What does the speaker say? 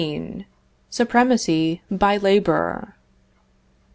SUPREMACY BY LABOR.